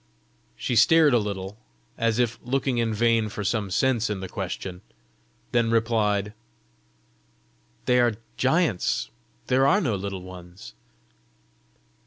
She stared a little, as if looking in vain for some sense in the question, then replied, "They are giants; there are no little ones."